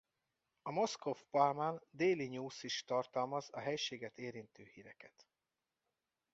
A Moscow–Pullman Daily News is tartalmaz a helységet érintő híreket.